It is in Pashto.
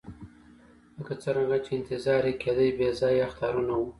لکه څرنګه چې انتظار یې کېدی بې ځایه اخطارونه وو.